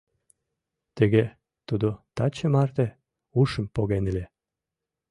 Тыге тудо таче марте ушым поген илен.